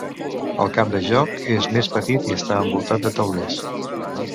El camp de joc és més petit i està envoltat de taulers.